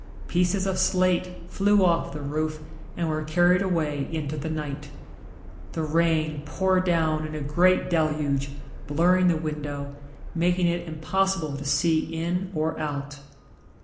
Pieces of slate flew off the roof and were carried away into the night. The rain poured down in a great deluge, blurring the window, making it impossible to see in or out.